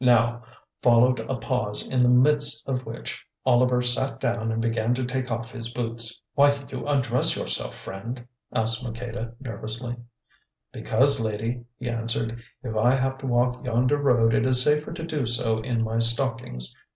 Now followed a pause in the midst of which Oliver sat down and began to take off his boots. "Why do you undress yourself, friend?" asked Maqueda nervously. "Because, Lady," he answered, "if I have to walk yonder road it is safer to do so in my stockings.